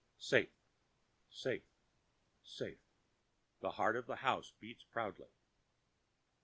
"Safe, safe, safe," the heart of the house beats proudly.